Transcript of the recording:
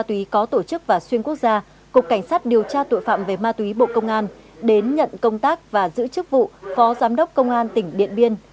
tuy có tổ chức và xuyên quốc gia cục cảnh sát điều tra tội phạm về ma túy bộ công an đến nhận công tác và giữ chức vụ phó giám đốc công an tỉnh điện biên